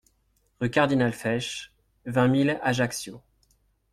Rue Cardinal Fesch, vingt mille Ajaccio